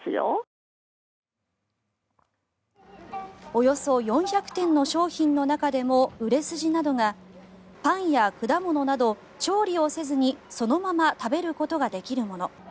およそ４００点の商品の中でも売れ筋なのがパンや果物など調理をせずにそのまま食べることができるもの。